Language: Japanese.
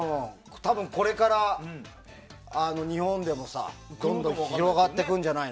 多分、これから日本でもどんどん広がっていくんじゃないの。